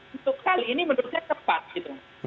untuk kali ini menurutnya tepat